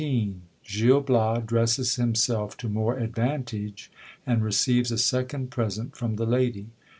— Gil Bias dresses himself to more advantage, and receives a second pre ^ sent from the lady.